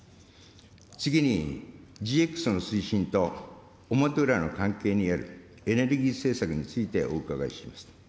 次に、ＧＸの推進と表裏の関係にあるエネルギー政策について、お伺いします。